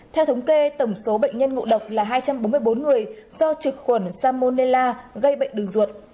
theo thống kê tổng số bệnh nhân ngộ độc là hai trăm bốn mươi bốn người do trực khuẩn salmonella gây bệnh đường ruột